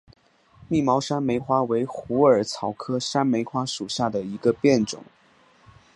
密毛山梅花为虎耳草科山梅花属下的一个变种。